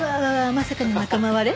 まさかの仲間割れ？